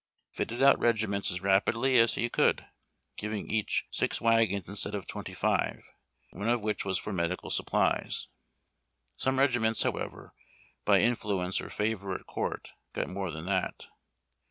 fitted out regiments as rapidly as he could, giving each dx wagons instead of twenty five, one of Avliich was for medical supplies. Some regiments, however, by influence or favor at court, got more than that.